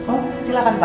oh silahkan pak